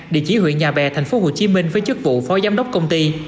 địa chỉ huyện nhà bè tp hcm với chức vụ phó giám đốc công ty